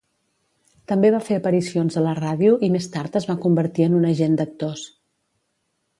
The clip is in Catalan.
També va fer aparicions a la ràdio i més tard es va convertir en un agent d'actors.